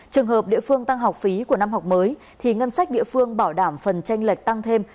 trường hợp địa phương tăng học phí của năm học mới thì ngân sách địa phương bảo đảm phần tranh lệch tăng thêm